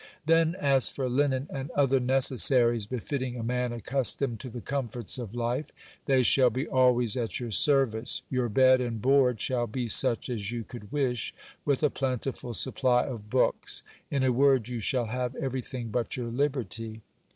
Then, as for linen and other necessaries befitting a man accustomed to the comforts of life, they shall be always at your service. Your bed and board shall be such as you could wish, with a plentiful supply of books. In a word, you shall have everything but your liberty.